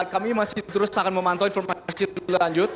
kami masih terus akan memantau informasi lanjut